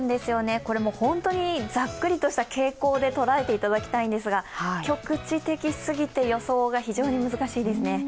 本当にざっくりとした傾向で捉えていただきたいんですが、局地的すぎて予想が非常に難しいですね。